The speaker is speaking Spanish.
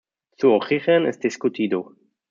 Su origen es discutido.